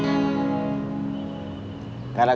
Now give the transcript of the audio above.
memang pintar mempengaruhi orang